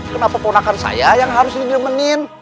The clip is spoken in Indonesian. kenapa ponakan saya yang harus di germenin